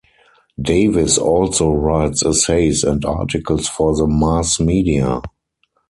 Davies also writes essays and articles for the mass media.